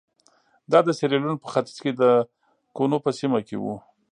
دا د سیریلیون په ختیځ کې د کونو په سیمه کې وو.